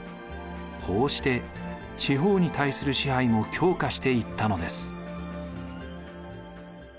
こうして地方に対する支配も強化していったのです。